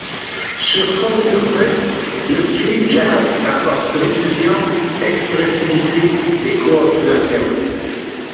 Sur fond urbain, le street-jazz apporte précision, expressivité et coordination.